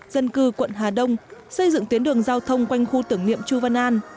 dân cư quận hà đông xây dựng tuyến đường giao thông quanh khu tưởng niệm chu văn an